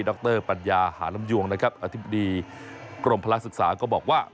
แล้วก็ที่นี่ดรปัญญาหารมยวงอธิบดีกรมภารกศึกษาก็บอกว่า